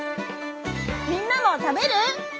みんなも食べる？